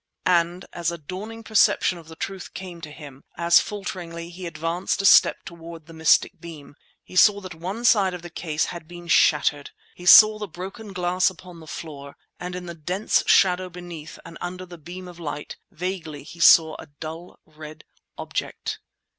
And as a dawning perception of the truth came to him, as falteringly he advanced a step toward the mystic beam, he saw that one side of the case had been shattered—he saw the broken glass upon the floor; and in the dense shadow behind and under the beam of light, vaguely he saw a dull red object.